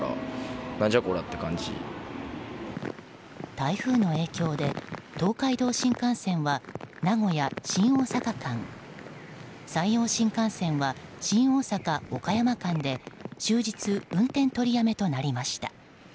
台風の影響で、東海道新幹線は名古屋新大阪間山陽新幹線は新大阪岡山間で終日運転取りやめとなりました。